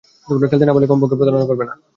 খেলতে না পারলে কমপক্ষে প্রতারণা করবে না।